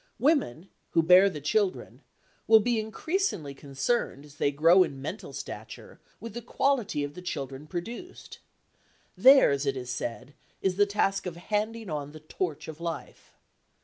Women, who bear the children, will be increasingly concerned, as they grow in mental stature, with the quality of the children produced. Theirs, it is said, is the task of handing on the torch of life.